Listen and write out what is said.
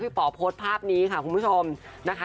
พี่ป๋าโพสภาพนี้ค่ะ